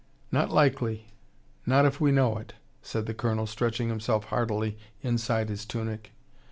"Not likely. Not if we know it," said the Colonel, stretching himself heartily inside his tunic.